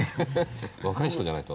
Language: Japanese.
若い人じゃないと。